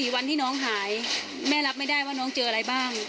วันที่น้องหายแม่รับไม่ได้ว่าน้องเจออะไรบ้าง